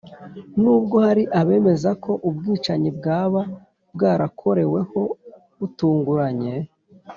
nubwo hari abemeza ko ubwicanyi bwaba bwarakoreweho butunguranye.